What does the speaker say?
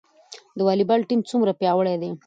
د والیبال ټیم څومره پیاوړی دی؟